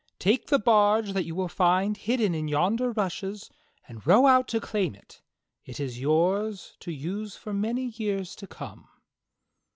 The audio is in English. Take the barge that you will find hidden in yonder rushes, and row out to claim it. It is yours to use for many years to come."